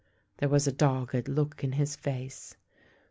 There was a dogged look in his face.